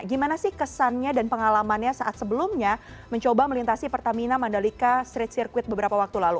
gimana sih kesannya dan pengalamannya saat sebelumnya mencoba melintasi pertamina mandalika street circuit beberapa waktu lalu